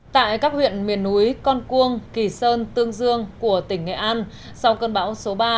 tại các huyện miền núi con cuông kỳ sơn tương dương của tỉnh nghệ an sau cơn bão số ba